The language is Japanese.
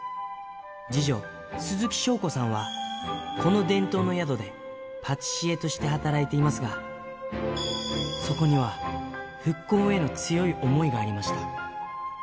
次女、鈴木正子さんは、この伝統の宿でパティシエとして働いていますが、そこには復興への強い想いがありました。